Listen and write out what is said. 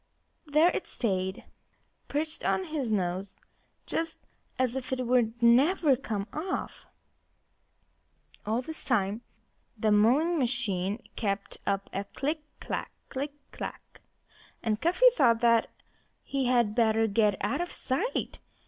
There it stayed, perched on his nose just as if it would never come off. All this time the mowing machine kept up a click clack click clack! And Cuffy thought that he had better get out of sight.